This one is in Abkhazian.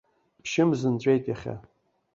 Ԥшьымз нҵәеит иахьа!